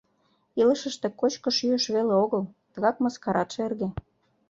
Илышыште кочкыш-йӱыш веле огыл, тыгак мыскарат шерге.